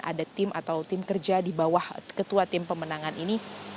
ada tim atau tim kerja di bawah ketua tim pemenangan ini